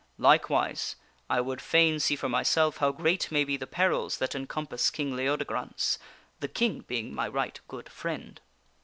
Likewise I would fain see for myself how great may be the perils that encompass King Leodegrance the King being my right good friend."